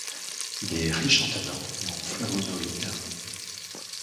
Il est riche en tannins et en flavonoïdes.